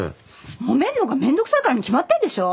もめんのがめんどくさいからに決まってんでしょ。